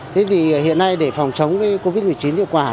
thế thì hiện nay để phòng chống covid một mươi chín hiệu quả